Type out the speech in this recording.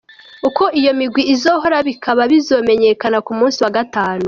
Uko iyo migwi izohura bikaba bizomenyekana ku musi wa Gatanu.